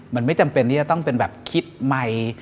มันไม่จำเป็นที่จะต้องเป็นแบบคิดใหม่